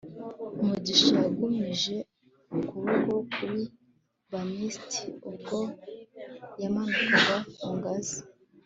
mugisha yagumije ukuboko kuri banisti ubwo yamanukaga ku ngazi